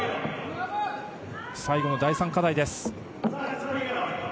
最後の第３課題です。